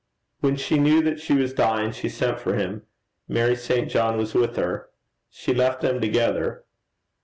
When she knew that she was dying, she sent for him. Mary St. John was with her. She left them together.